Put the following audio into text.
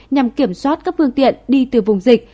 nhằm kiểm soát các phương tiện đi từ vùng dịch